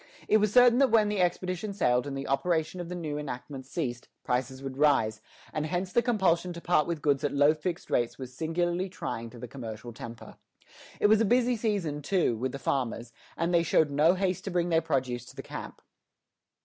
It was certain that when the expedition sailed and the operation of the new enactments ceased, prices would rise; and hence the compulsion to part with goods at low fixed rates was singularly trying to the commercial temper. It was a busy season, too, with the farmers, and they showed no haste to bring their produce to the camp.